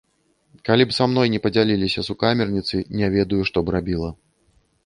Калі б са мной не падзяліліся сукамерніцы, не ведаю, што б рабіла.